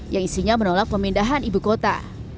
yang isinya menolak pemindahan ibu kota